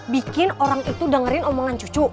bikin orang itu dengerin omongan cucu